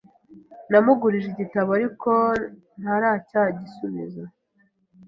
Namugurije igitabo ariko ntaracyagisubiza.